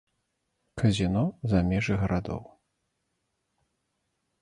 Казіно за межы гарадоў.